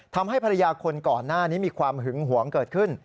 ทำให้ภรรยาคนก่อนหน้านี้มีความหึงหวงเกิดขึ้น